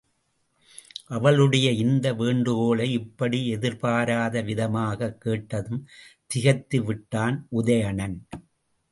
அவளுடைய இந்த வேண்டுகோளை இப்படி எதிர்பாராத விதமாகக் கேட்டதும் திகைத்து விட்டான் உதயணன்.